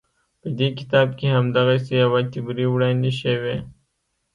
په دې کتاب کې همدغسې یوه تیوري وړاندې شوې.